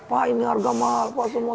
pak ini harga mahal